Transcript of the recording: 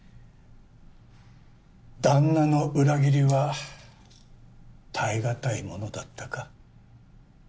旦那の裏切りは耐え難いものだったか？